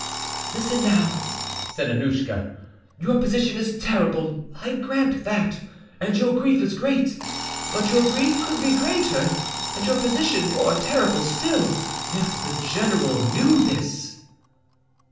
"Listen now," said Annouschka: "your position is terrible, I grant that, and your grief is great; but your grief could be greater and your position more terrible still. If the general knew this."